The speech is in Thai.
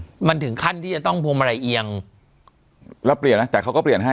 มันถึงขั้นที่จะต้องพวงมาลัยเอียงแล้วเปลี่ยนนะแต่เขาก็เปลี่ยนให้